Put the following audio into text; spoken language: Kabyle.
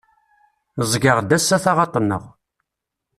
Ẓgeɣ-d ass-a taɣaṭ-nneɣ.